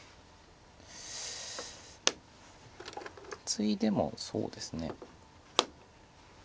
ツイでもそうですね。